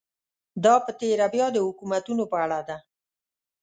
دا په تېره بیا د حکومتونو په اړه ده.